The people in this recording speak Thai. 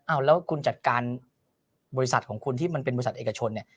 เอาแล้วคุณจัดการบริษัทของคุณที่มันเป็นบริษัทเอกชนเนี่ย